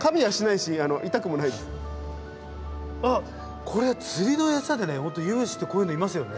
あっこれ釣りの餌でねユムシってこういうのいますよね。